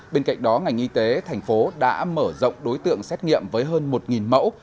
bên cạnh đó ngành y tế tp hcm đã mở rộng đối tượng xét nghiệm với hơn một mẫu